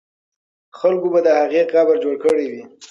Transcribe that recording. خلکو به د هغې قبر جوړ کړی وي.